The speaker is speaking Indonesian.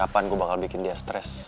kapan gue bakal bikin dia stres